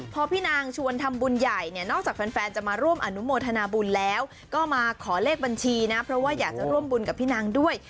พอพี่นางชวนทำบุญใหญ่เนี่ยนอกจากแฟนจะมาร่วมอนุโมทนาบุญแล้วก็มาขอเลขบัญชีนะเพราะว่าอยากจะร่วมบุญกับพี่นางด้วย